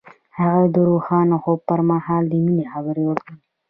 هغه د روښانه خوب پر مهال د مینې خبرې وکړې.